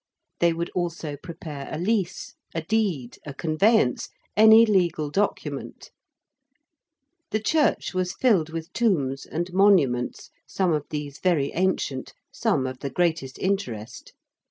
They would also prepare a lease, a deed, a conveyance any legal document. The church was filled with tombs and monuments, some of these very ancient, some of the greatest interest.